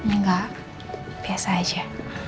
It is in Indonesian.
enggak biasa aja